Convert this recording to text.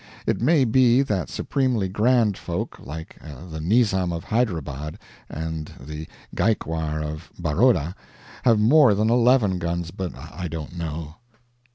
It may be that supremely grand folk, like the Nyzam of Hyderabad and the Gaikwar of Baroda, have more than eleven guns, but I don't know.